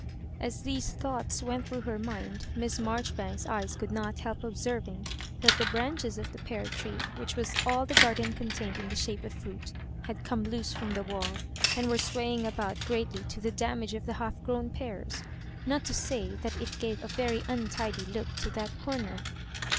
As these thoughts went through her mind, Miss Maijori banks's eyes could not help observing that the branches of the pear tree, which was all that the garden contained in the shape of fruit, had come loose from the wall, and were swaying about great ly to the damage of the half grown pears; not to say that it gave a very untidy look to that corner.